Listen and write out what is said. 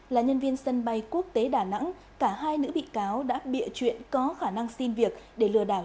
là nhân viên sân bay quốc tế đà nẵng cả hai nữ bị cáo đã bịa chuyện có khả năng xin việc để lừa đảo